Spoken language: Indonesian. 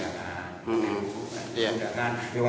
aku tidak ingatkan